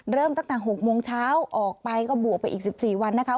เริ่มตั้งแต่๖โมงเช้าออกไปก็บวกไปอีก๑๔วันนะคะ